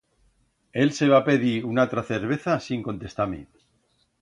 Él se va pedir una atra cerveza sin contestar-me.